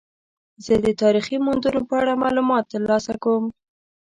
زه د تاریخي موندنو په اړه معلومات ترلاسه کوم.